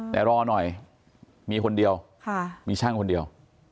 แต่รอหน่อยมีคนเดียวมีช่างคนเดียว